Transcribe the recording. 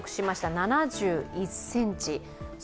７１ｃｍ。